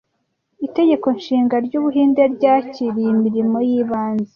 Itegeko Nshinga ry'Ubuhinde ryakiriye imirimo y'ibanze